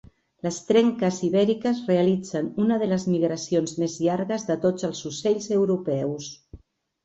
Les trenques ibèriques realitzen una de les migracions més llargues de tots els ocells europeus.